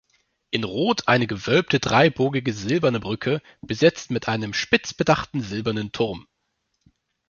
In Rot eine gewölbte dreibogige silberne Brücke, besetzt mit einem spitzbedachten silbernen Turm.